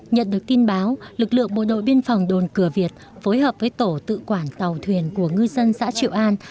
nhận được tin báo lực lượng bộ đội biên phòng đồn cửa việt phối hợp với tổ tự quản tàu thuyền của ngư dân xã triệu an